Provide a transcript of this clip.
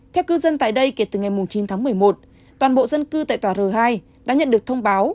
theo cư dân tại đây kể từ ngày chín tháng một mươi một toàn bộ dân cư tại tòa r hai đã nhận được thông báo